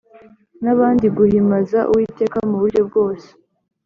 Nabandi guhimaza uwiteka muburyobwose